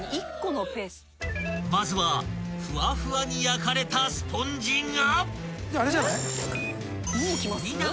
［まずはふわふわに焼かれたスポンジが］